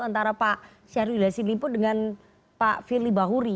antara pak syahrul yassin limpo dengan pak firly bahuri